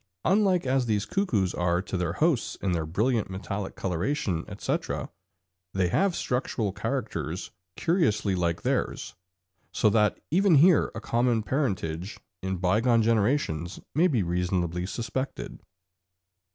Unlike as these cuckoos are to their hosts in their brilliant metallic coloration, etc., they have structural characters curiously like theirs, so that even here a common parentage in bygone generations may be reasonably suspected.